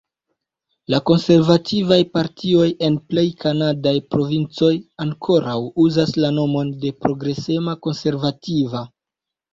La konservativaj partioj en plej kanadaj provincoj ankoraŭ uzas la nomon de Progresema Konservativa.